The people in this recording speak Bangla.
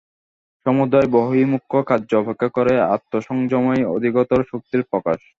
সমুদয় বহির্মুখ কার্য অপেক্ষা আত্মসংযমেই অধিকতর শক্তির প্রকাশ।